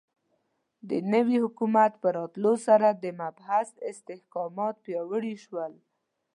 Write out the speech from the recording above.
د نوي حکومت په راتلو سره د محبس استحکامات پیاوړي شول.